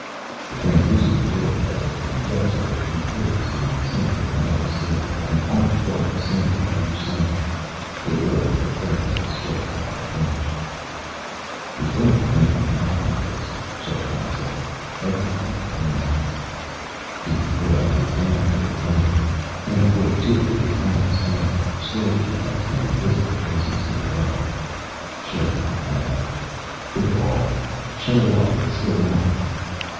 The translucent globe that was the control turret reposed in the center of a metal stand, an armed guard standing at each side. They lowered their guns as Sherikov approached. "We don't want anything to happen to this," Sherikov said. "Everything depends on it." He put out his hand for the globe. Half way to it his hand stopped, striking against an invisible presence in the air. Sherikov laughed. "The wall. Shut it off. It's still on."